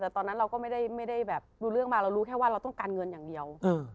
แต่ตอนนั้นเราก็ไม่ได้แบบรู้เรื่องมาเรารู้แค่ว่าเราต้องการเงินอย่างเดียว